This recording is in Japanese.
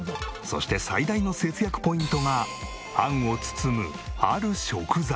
そして最大の節約ポイントが餡を包むある食材。